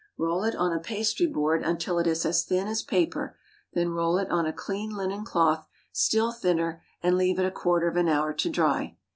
Roll it on a pastry board until it is as thin as paper, then roll it on a clean linen cloth still thinner, and leave it a quarter of an hour to dry.